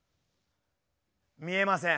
見えません。